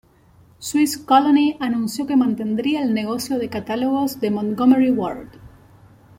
Swiss Colony anunció que mantendría el negocio de catálogos de Montgomery Ward.